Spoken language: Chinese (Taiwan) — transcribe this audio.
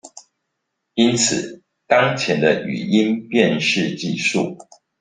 因此當前的語音辨識技術